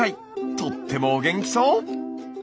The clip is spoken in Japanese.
とってもお元気そう！